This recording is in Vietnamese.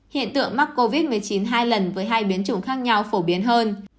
hiện tượng mắc covid một mươi chín hai lần với hai biến chủng khác nhau phổ biến hơn